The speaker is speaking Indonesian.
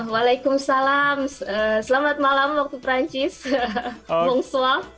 waalaikumsalam selamat malam waktu perancis